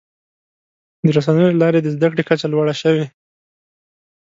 د رسنیو له لارې د زدهکړې کچه لوړه شوې.